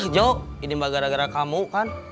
jok ini mah gara gara kamu kan